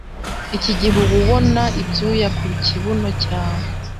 Iki gihe uba ubona ibyuya ku kibuno cyawe.